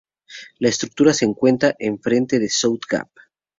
La estructura se encuentra enfrente de South Gap.